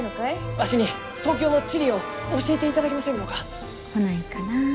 わしに東京の地理を教えていただけませんろうか？来ないかな？